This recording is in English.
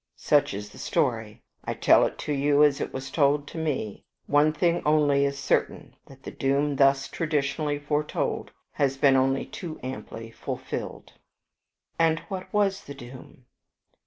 "Such is the story. I tell it to you as it was told to me. One thing only is certain, that the doom thus traditionally foretold has been only too amply fulfilled." "And what was the doom?"